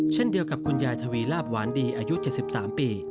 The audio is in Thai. เช่นเดียวกับคุณยายทวีลาบหวานดีอายุ๗๓ปี